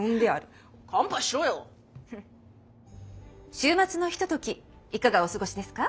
週末のひとときいかがお過ごしですか？